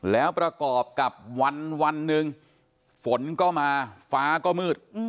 แล้วประกอบกับวันหนึ่งฝนก็มาฟ้าก็มืด